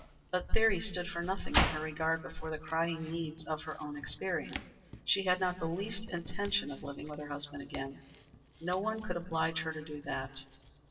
But theory stood for nothing in her regard before the crying needs of her own experience. She had not the least intention of living with her husband again. No one could oblige her to do that.